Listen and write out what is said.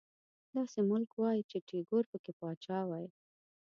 داسې ملک وای چې ټيګور پکې پاچا وای